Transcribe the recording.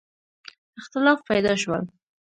اختلافات پیدا شول.